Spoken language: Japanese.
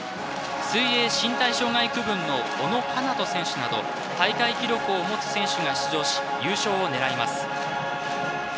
水泳・身体障害区分の小野奏人選手など大会記録を持つ選手が出場し優勝を狙います。